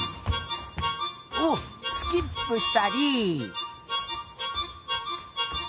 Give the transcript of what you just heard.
おっスキップしたり。